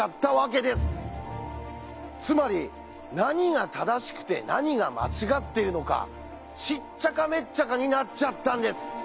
つまり何が正しくて何が間違っているのかしっちゃかめっちゃかになっちゃったんです！